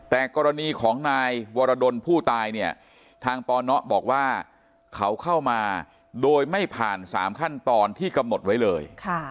แต่กรณีของนายวรดลผู้ตายเนี่ยทางปนบอกว่าเขาเข้ามาโดยไม่ผ่าน๓ขั้นตอนที่กำหนดไว้เลย